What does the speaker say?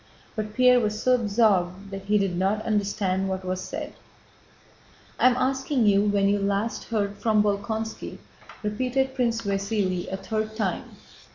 But Pierre was so absorbed that he did not understand what was said. "I am asking you when you last heard from Bolkónski," repeated Prince Vasíli a third time.